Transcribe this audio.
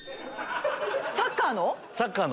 サッカーの？